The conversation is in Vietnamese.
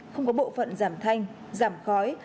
không có bộ phận giảm thanh giảm khói